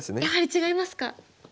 やはり違いますか。